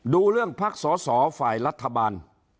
ดูเรื่องพักสอสอฝ่ายรัฐบาล